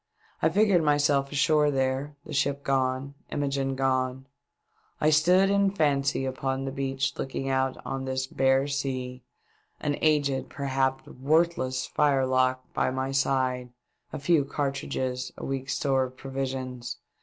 I figured myself ashore there — the ship gone — Imogene gone ! I stood in fancy upon the beach looking out on this bare sea ; an aged, perhaps worthless firelock by my side, a few cartridges, a week's store of provisions